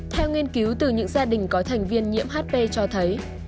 theo nghiên cứu từ những gia đình có thành viên nhiễm hp cho thấy